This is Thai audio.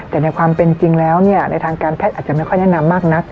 แต่ในความเป็นจริงแล้วในทางการแพทย์อาจจะไม่ค่อยแนะนำมากนัก